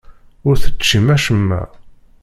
Ur teččim acemma.